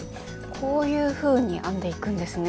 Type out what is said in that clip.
こういうふうに編んでいくんですね。